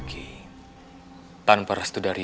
jumat tentanghak saya